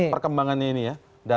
perkembangannya ini ya